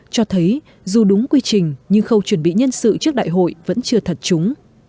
cho thấy dù đúng quy trình nhưng khâu chuẩn bị nhân sự trước đại hội vẫn chưa thật chúng